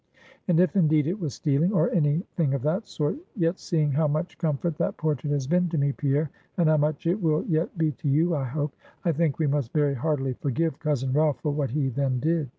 And if indeed it was stealing, or any thing of that sort; yet seeing how much comfort that portrait has been to me, Pierre, and how much it will yet be to you, I hope; I think we must very heartily forgive cousin Ralph, for what he then did."